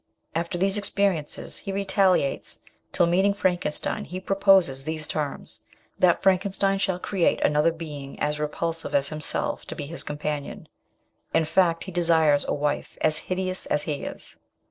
After these experiences he retaliates, till meeting Frankenstein he proposes these terms : that Franken stein shall create another being as repulsive as himself to be his companion in fact, he desires a wife as hideous as he is.